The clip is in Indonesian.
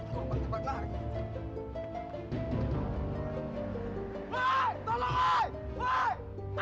kakak gak mau telat gara gara sarapan